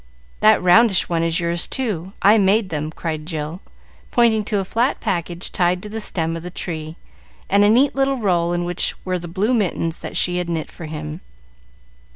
That roundish one is yours too; I made them," cried Jill, pointing to a flat package tied to the stem of the tree, and a neat little roll in which were the blue mittens that she had knit for him.